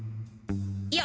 いや！